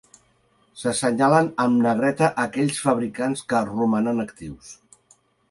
S'assenyalen amb negreta aquells fabricants que romanen actius.